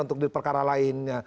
untuk perkara lainnya